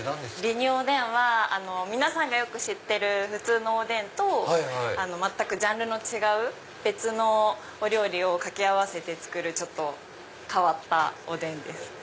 リニューおでんは皆さんがよく知ってる普通のおでんと全くジャンルの違う別のお料理を掛け合わせて作るちょっと変わったおでんです。